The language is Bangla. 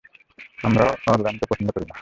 আমরাও অরল্যানকে পছন্দ করি না!